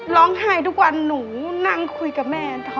ร้องไห้ทุกวันหนูนั่งคุยกับแม่